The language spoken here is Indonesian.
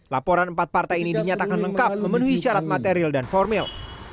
laporan empat partai ini dinyatakan lengkap memenuhi syarat material dan formil